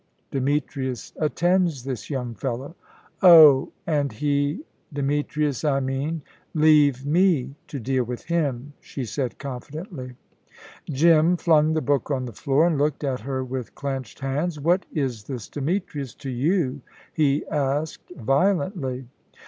Demetrius attends this young fellow." "Oh, and he Demetrius, I mean " "Leave me to deal with him," she said confidently. Jim flung the book on the floor, and looked at her with clenched hands. "What is this Demetrius to you?" he asked violently.